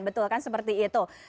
betul kan seperti itu